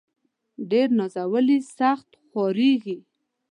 ډير نازولي ، سخت خوارېږي.